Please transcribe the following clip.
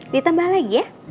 ditambah lagi ya